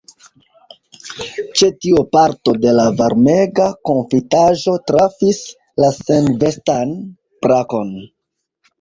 Ĉe tio parto de la varmega konfitaĵo trafis la senvestan brakon.